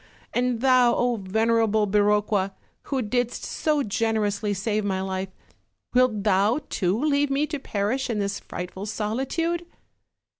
And thou, venerable Biroqua! who didst so generously save my life, wilt thou too leave me to perish in this frightful solitude?"